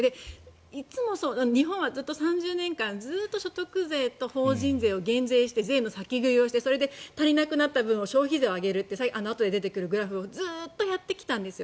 いつも日本はずっと３０年間所得税と法人税を減税して、税の先食いをしてそれで足りなくなった分を消費税を足してあとで出てくるグラフをずっとやってきたんです。